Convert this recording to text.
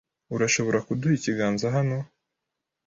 Urashobora kuduha ikiganza hano?